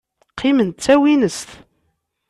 Qqiment d tawinest.